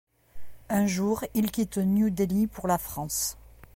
Un jour, il quitte New Delhi pour la France.